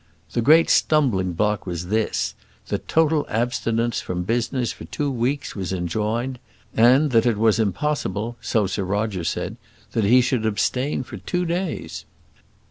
The great stumbling block was this, that total abstinence from business for two weeks was enjoined; and that it was impossible, so Sir Roger said, that he should abstain for two days.